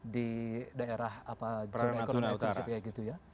di daerah jerman ekonomi utara